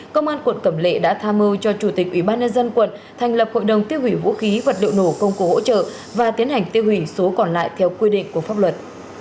công an quận cẩm lệ đã tham mưu cho chủ tịch ủy ban nhân dân quận thành lập hội đồng tiêu hủy vũ khí vật liệu nổ công cụ hỗ trợ và tiến hành tiêu hủy số còn lại theo quy định của pháp luật